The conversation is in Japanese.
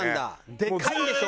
でかいんでしょ？